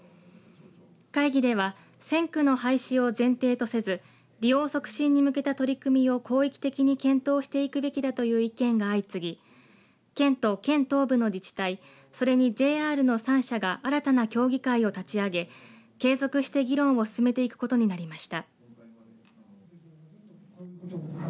会議では線区の廃止を前提とせず利用促進に向けた取り組みを広域的に検討していくべきだという意見が相次ぎ県と県東部の自治体、それにＪＲの三者が新たな協議会を立ち上げ継続して議論を進めていくことになりました。